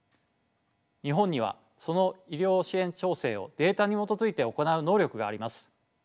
日本にはその医療支援調整をデータに基づいて行う能力があります。